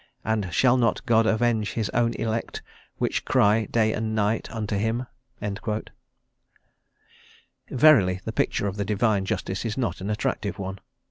And shall not God avenge his own elect, which cry day and night unto him?" Verily, the picture of the divine justice is not an attractive one!